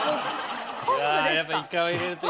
やっぱイカを入れると。